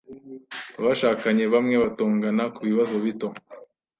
Abashakanye bamwe batongana kubibazo bito.